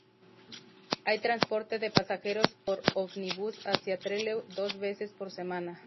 Hay transporte de pasajeros por ómnibus hacia Trelew dos veces por semana.